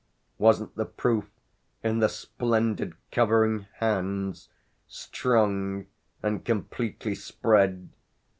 Wasn't the proof in the splendid covering hands, strong and completely spread?